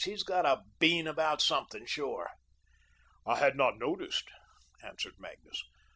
He's got a bean about something, sure." "I had not noticed," answered Magnus. "Mr.